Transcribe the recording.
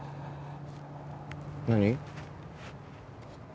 何？